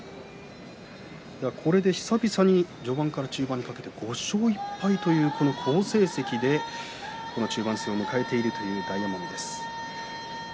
これで久々に序盤から中盤にかけて５勝１敗という好成績で中盤戦を迎えている大奄美です。